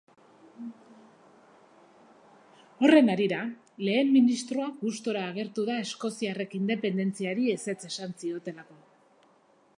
Horren harira, lehen ministroa gustura agertu da eskoziarrek independentziari ezetz esan ziotelako.